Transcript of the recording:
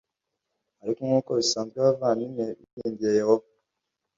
ariko nk uko bisanzwe abavandimwe biringiye yehova